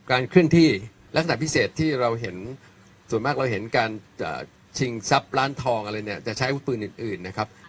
วิ่งการเคลื่อนที่ลักษณะพิเศษที่ส่วนมากเราเห็นการชิงซับล้านทองจะใช้ปืนอื่นนะครับ